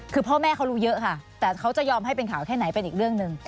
คือพ่อแม่เขารู้เยอะค่ะแต่เขาจะยอมให้เป็นข่าวแค่ไหนเป็นอีกเรื่องหนึ่ง